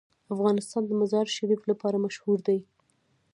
افغانستان د مزارشریف لپاره مشهور دی.